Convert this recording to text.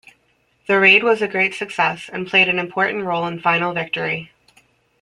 The raid was a great success, and played an important role in final victory.